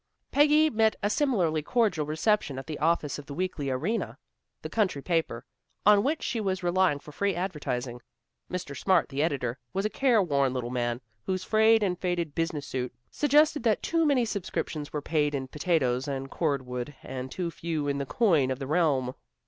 Peggy met a similarly cordial reception at the office of the Weekly Arena, the country paper, on which she was relying for free advertising. Mr. Smart, the editor, was a careworn little man, whose frayed and faded business suit suggested that too many subscriptions were paid in potatoes and cord wood, and too few in the coin of the realm.